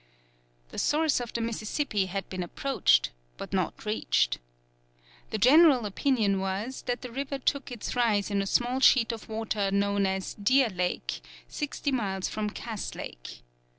The source of the Mississippi had been approached, but not reached. The general opinion was that the river took its rise in a small sheet of water known as Deer Lake, sixty miles from Cass Lake.